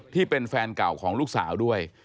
ที่เป็นแฟนเก่าของลูกสาวด้วย